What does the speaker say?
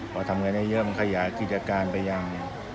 พอทำกันได้เยอะมันขยายอาคิดอาการไปยัง